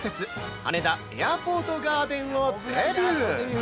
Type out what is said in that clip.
「羽田エアポートガーデン」をデビュー！